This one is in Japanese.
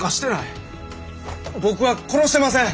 僕は殺してません！